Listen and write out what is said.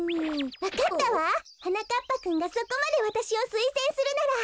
わかったわ！はなかっぱくんがそこまでわたしをすいせんするなら。